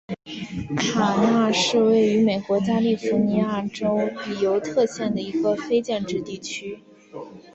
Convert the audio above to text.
卡纳是位于美国加利福尼亚州比尤特县的一个非建制地区。